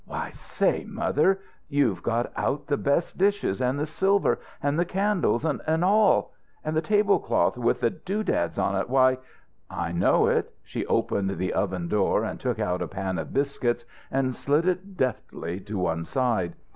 "Why, say, mother! You've got out the best dishes, and the silver, and the candles and all. And the tablecloth with the do dads on it. Why " "I know it" She opened the oven door, took out a pan of biscuits and slid it deftly to one side.